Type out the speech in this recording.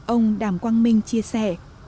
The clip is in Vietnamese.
ông đàm quang minh chia sẻ